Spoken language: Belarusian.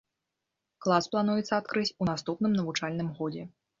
Клас плануецца адкрыць у наступным навучальным годзе.